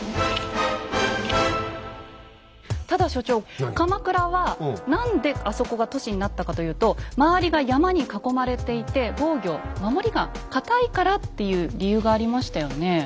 ただ所長鎌倉は何であそこが都市になったかというと周りが山に囲まれていて防御守りが堅いからっていう理由がありましたよね。